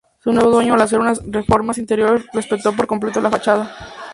Su nuevo dueño al hacer unas reformas interiores respetó por completo la fachada.